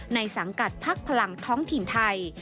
ในสังกัดภักดิ์พลังท้องถิ่นไทย